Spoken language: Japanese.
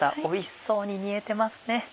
おいしそうに煮えてますね。